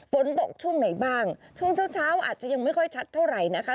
ฝนตกช่วงไหนบ้างช่วงเช้าอาจจะยังไม่ค่อยชัดเท่าไหร่นะคะ